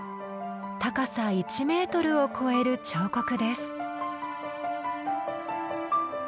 高さ１メートルを超える彫刻です。